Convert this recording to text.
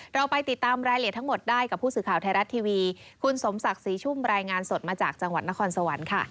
เราไปติดตามรายละเอียดทั้งหมดได้กับผู้สื่อข่าวไทยรัฐทีวีคุณสมศักดิ์ศรีชุ่มรายงานสดมาจากจังหวัดนครสวรรค์ค่ะ